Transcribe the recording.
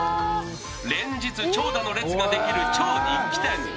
連日長蛇の列ができる超人気店。